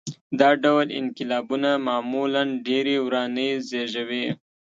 دا ډول انقلابونه معمولاً ډېرې ورانۍ زېږوي.